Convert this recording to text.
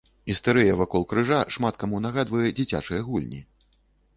Істэрыя вакол крыжа шмат каму нагадвае дзіцячыя гульні.